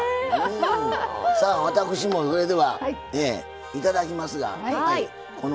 私も、それではいただきます。